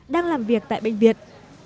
đang làm việc tại bệnh viện